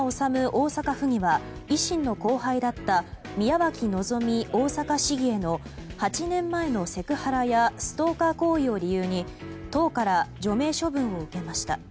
大阪府議は維新の後輩だった宮脇希大阪市議への８年前のセクハラやストーカー行為を理由に党から除名処分を受けました。